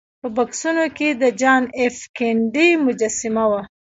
په بکسونو کې د جان ایف کینیډي مجسمه وه